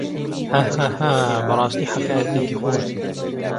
هاهاها بەڕاستی حەکایەتێکی خۆش بوو.